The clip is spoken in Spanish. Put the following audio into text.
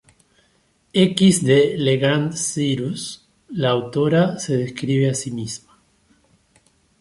X de "Le Grand Cyrus" la autora se describe a sí misma.